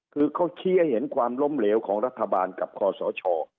คือเขาชี้ให้เห็นความล้มเหลวของรัฐบาลกับคอสช